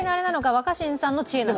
若新さんの知恵なのか。